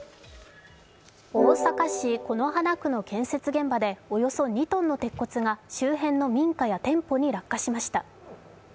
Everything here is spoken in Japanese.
大阪市此花区の建設現場でおよそ２ｔの鉄骨が周辺の民家や店舗に落下しました。